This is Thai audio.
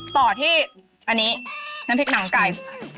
ต่อที่อันนี้น้ำพริกหนังไก่